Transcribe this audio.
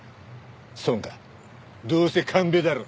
ソンかどうせ神戸だろ。